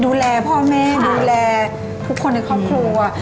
ดูแลพ่อแม่ดูแลทุกคนในครอบครัว